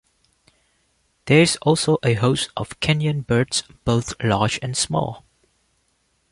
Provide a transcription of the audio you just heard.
There is also a host of Kenyan birds, both large and small.